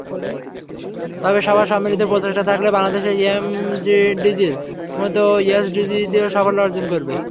তবে সবার সম্মিলিত প্রচেষ্টা থাকলে বাংলাদেশ এমডিজির মতো এসডিজিতেও সাফল্য অর্জন করবে।